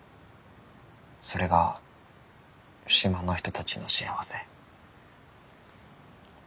それが島の人たちの幸せ。